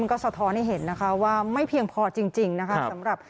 มันก็สะท้อนให้เห็นว่าไม่เพียงพอจริงนะครับ